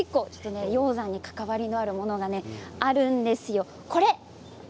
鷹山に関わりのあるものがあるんですよ。